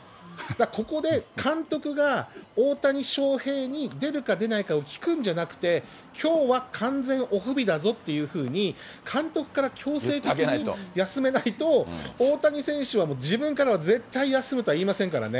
ここで監督が大谷翔平に出るか出ないかを聞くんじゃなくて、きょうは完全オフ日だぞっていうふうに監督から強制的に休めないと、大谷選手はもう自分からは絶対休むとは言いませんからね。